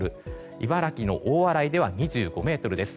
茨城の大洗では２５メートルです。